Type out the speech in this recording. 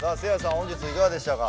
本日いかがでしたか？